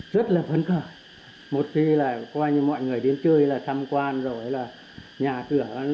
rất là phấn khởi một khi là mọi người đến chơi là thăm quan rồi là nhà cửa